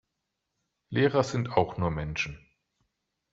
Lehrer sind auch nur Menschen.